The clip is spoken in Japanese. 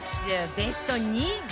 ベスト２０